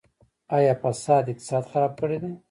آیا فساد اقتصاد خراب کړی دی؟